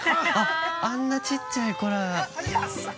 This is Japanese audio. あんなちっちゃい子が。